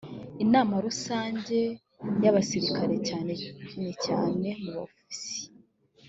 inama rusange y’abasirikare cyane cyane mu bofisiye